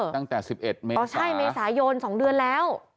ตั้งแต่๑๑เมษายน๒เดือนแล้ว